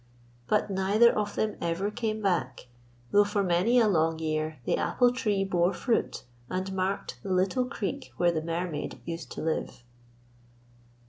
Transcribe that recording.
But neither of them ever came back, though for many a long year the apple tree bore fruit and marked the little creek where the Mermaid used to live.